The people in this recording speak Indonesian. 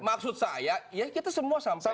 maksud saya ya kita semua sama